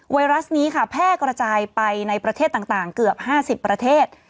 ไรัสนี้ค่ะแพร่กระจายไปในประเทศต่างเกือบ๕๐ประเทศ